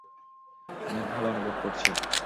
অনেক ভালো অনুভব করছি।